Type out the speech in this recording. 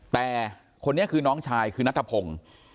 แต่คนนี้คือน้องชายคือนัทพงศ์